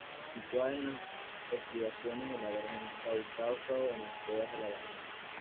Situada en las estribaciones de la Gran Cáucaso, en las cuevas de la garganta.